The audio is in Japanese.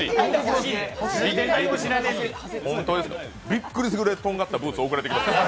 びっくりするくらい、とんがったブーツ送られてきました。